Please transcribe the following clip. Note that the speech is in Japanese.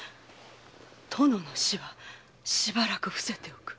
殿の死はしばらく伏せておく。